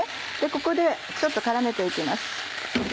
ここでちょっと絡めていきます。